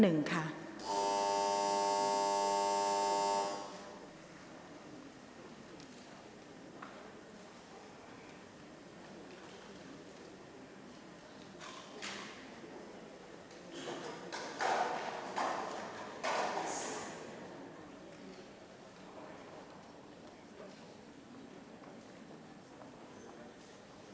หมายเลข๒